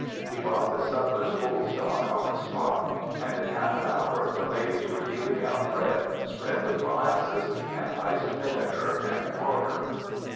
He bought the sutler's whole stock on the spot, and in half an hour the ladies were dealing out bread spread with molasses, and iced vinegar and water....